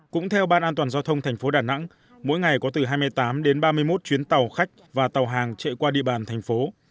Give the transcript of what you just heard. cũng theo ban an toàn giao thông thành phố đà nẵng mỗi ngày có từ hai mươi tám đến ba mươi một chuyến tàu khách và tàu hàng chạy qua địa bàn thành phố